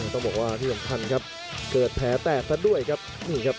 ต้องบอกว่าที่สำคัญครับเกิดแพ้แต่สัดด้วยครับ